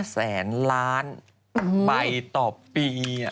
แสนล้านใบต่อปี